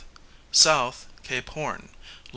south, Cape Horn, lat.